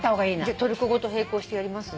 じゃトルコ語と並行してやります？